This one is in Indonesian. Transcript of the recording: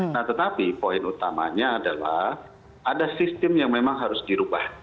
nah tetapi poin utamanya adalah ada sistem yang memang harus dirubah